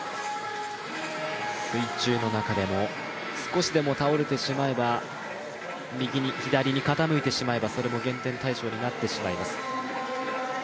水中でも少しでも倒れてしまえば、右に左に傾いてしまいます、それも減点対象になってしまいます。